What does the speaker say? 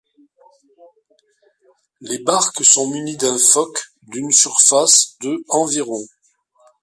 Les barques sont munies d'un foc d'une surface de environ.